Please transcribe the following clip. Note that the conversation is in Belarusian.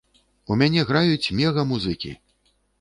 У мяне граюць мега-музыкі.